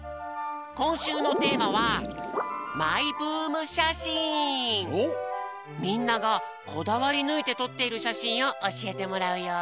こんしゅうのテーマはみんながこだわりぬいてとっているしゃしんをおしえてもらうよ。